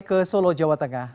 ke solo jawa tengah